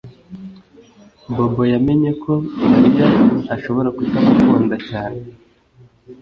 Bobo yamenye ko Mariya ashobora kutamukunda cyane